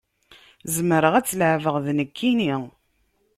Zemreɣ ad tt-leεbeɣ d nekkini